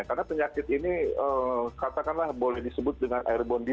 karena penyakit ini katakanlah boleh disebut dengan rgv